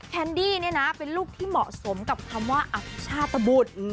แคนดี้เนี่ยนะเป็นลูกที่เหมาะสมกับคำว่าอภิชาตบุตร